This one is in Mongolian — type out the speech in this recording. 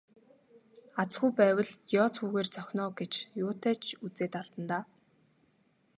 Аз хүү байвал ёоз хүүгээр цохино оо гэж юутай ч үзээд алдана даа.